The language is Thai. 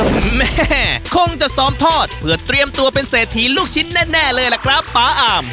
คุณแม่คงจะซ้อมทอดเพื่อเตรียมตัวเป็นเศรษฐีลูกชิ้นแน่เลยล่ะครับป๊าอาม